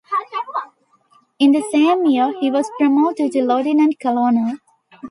In the same year he was promoted to lieutenant colonel.